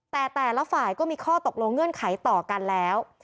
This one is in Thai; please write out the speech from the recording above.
แต่แต่ละฝ่ายก็มีข้อตกลงเงื่อนไขต่อกันแล้ว